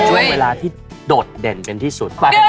ช่วงเวลาที่โดดเด่นเป็นที่สุด